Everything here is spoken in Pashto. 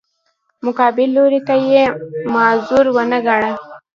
مقابل لوری یې معذور ونه ګاڼه.